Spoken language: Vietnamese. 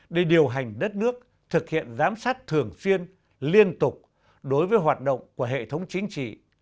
để điều hành đất nước thực hiện giám sát thường xuyên liên tục đối với hoạt động của hệ thống chính trị